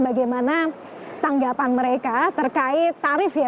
bagaimana tanggapan mereka terkait tarif ya